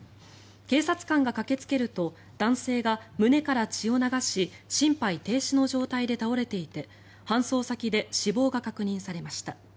警察官が駆けつけると男性が胸から血を流し心肺停止の状態で倒れていて搬送先で死亡が確認されました。